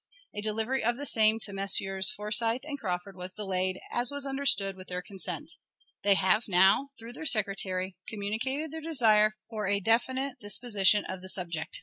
A delivery of the same to Messrs. Forsyth and Crawford was delayed, as was understood, with their consent. They have now, through their secretary, communicated their desire for a definite disposition of the subject.